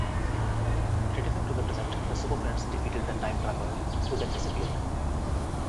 Returning to the present, the Super Friends defeated The Time Trapper who then disappeared.